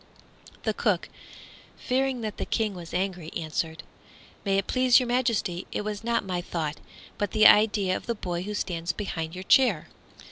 The cook, fearing that the King was angry, answered, "May it please your Majesty, it was not my thought, but the idea of the boy who stands behind your chair."